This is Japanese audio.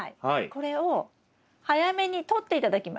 これを早めにとって頂きます。